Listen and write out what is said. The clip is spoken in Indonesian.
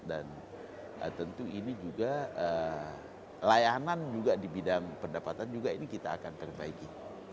dan tentu ini juga layanan juga di bidang pendapatan juga ini kita akan perbaiki